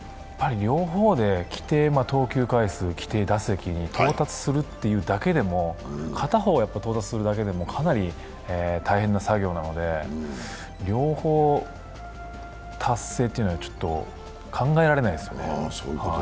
規定投球回、規定打席両方到達するだけでも、片方到達するだけでもかなり大変な作業なので両方達成というのは、ちょっと考えられないですよね。